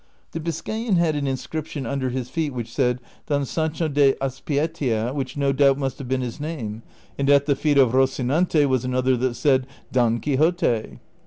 The Biscayan had an in scrijjtion under his feet which said, " Don Saneho de Azpeitia/' which no doubt must have been his name ; and at the feet of Rocinante was another that said, " Don Quixote.'